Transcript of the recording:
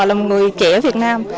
là một người trẻ việt nam